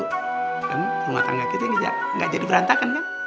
kan rumah tangga kita gak jadi berantakan kan